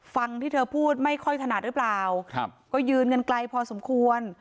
ฟังที่เธอพูดไม่ค่อยถนัดหรือเปล่าครับก็ยืนกันไกลพอสมควร